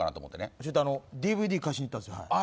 ちょっとＤＶＤ返しに行ったんです。